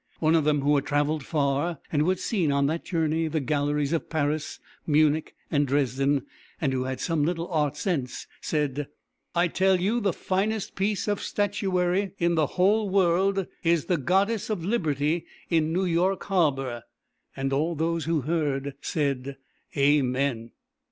One of them who had travelled far, who had seen on that journey the galleries of Paris, Munich and Dresden, and who had some little art sense, said: "I tell you the finest piece of statuary in the whole world is the Goddess of Liberty in New York Harbour;" and all those who heard said: "Amen."